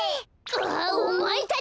うわおまえたち！